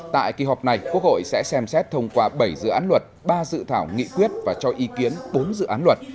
tại kỳ họp này quốc hội sẽ xem xét thông qua bảy dự án luật ba dự thảo nghị quyết và cho ý kiến bốn dự án luật